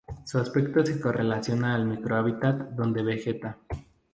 Su aspecto se correlaciona al micro hábitat donde vegeta.